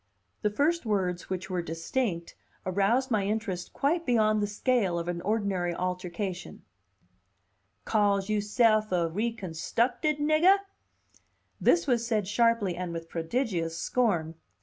The first words which were distinct aroused my interest quite beyond the scale of an ordinary altercation: "Calls you'self a reconstuckted niggah?" This was said sharply and with prodigious scorn.